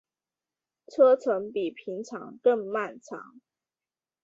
车程比平常更漫长